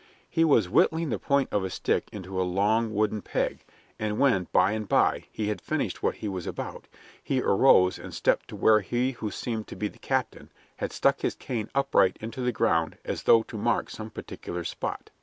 He was whittling the point of a stick into a long wooden peg, and when, by and by, he had finished what he was about, he arose and stepped to where he who seemed to be the captain had stuck his cane upright into the ground as though to mark some particular spot.